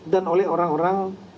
dan oleh orang orang